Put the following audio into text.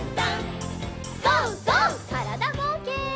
からだぼうけん。